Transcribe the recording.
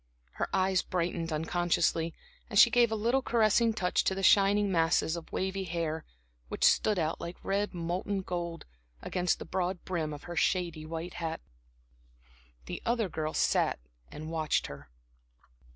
Her eyes brightened unconsciously, and she gave a little caressing touch to the shining masses of wavy hair which stood out, like red molten gold, against the broad brim of her shady white hat. The other girl sat and watched her.